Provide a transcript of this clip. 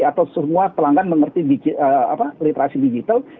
atau semua pelanggan mengerti literasi digital